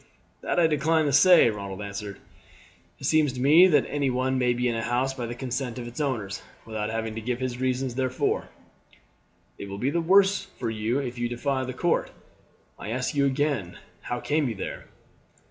"That I decline to say," Ronald answered. "It seems to me that any one may be in a house by the consent of its owners, without having to give his reasons therefor." "It will be the worse for you if you defy the court. I ask you again how came you there?"